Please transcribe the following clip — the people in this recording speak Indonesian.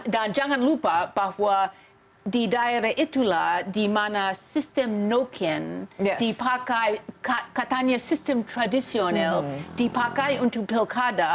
dan jangan lupa bahwa di daerah itulah dimana sistem noken dipakai katanya sistem tradisional dipakai untuk pilkada